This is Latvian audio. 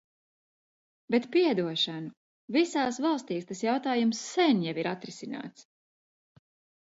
Bet, piedošanu, visās valstīs tas jautājums sen jau ir atrisināts!